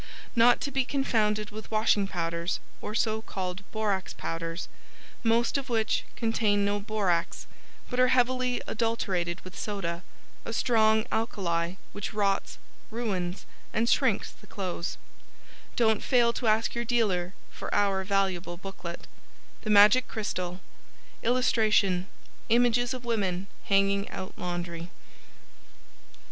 Not to be confounded with washing powders or so called "Borax Powders" most of which contain no Borax, but are heavily adulterated with soda, a strong alkali which rots, ruins and shrinks the clothes. Don't fail to ask your dealer for our valuable booklet The Magic Crystal [Illustration: Images of women hanging out laundry.